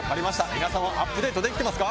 皆さんはアップデートできてますか？